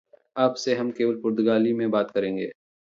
अब से हम केवल पुर्तगाली में बात करेंगे।